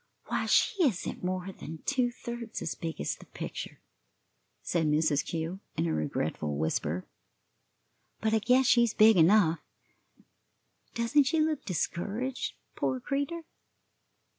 "Why, she isn't more than two thirds as big as the picture," said Mrs. Kew, in a regretful whisper; "but I guess she's big enough; doesn't she look discouraged, poor creatur'?"